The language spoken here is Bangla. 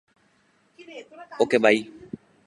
চোখে গভীর বিস্ময় নিয়ে তাকিয়ে আছে মজিদের দিকে।